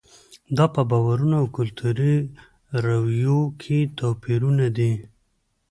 دا په باورونو او کلتوري رویو کې توپیرونه دي.